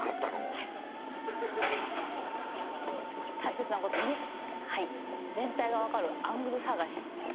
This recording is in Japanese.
はい大切なこと２全体がわかるアングル探し